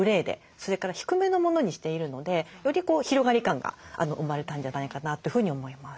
それから低めのものにしているのでより広がり感が生まれたんじゃないかなというふうに思います。